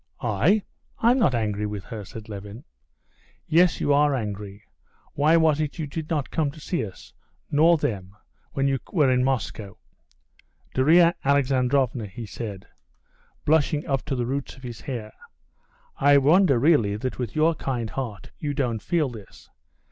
"I? I'm not angry with her," said Levin. "Yes, you are angry. Why was it you did not come to see us nor them when you were in Moscow?" "Darya Alexandrovna," he said, blushing up to the roots of his hair, "I wonder really that with your kind heart you don't feel this.